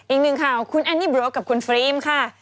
อีกหนึ่งข่าวคุณแอนนี่โรกับคุณฟรีมค่ะ